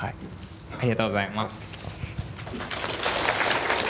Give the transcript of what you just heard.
ありがとうございます。